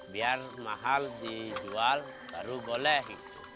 biar mahal dijual baru boleh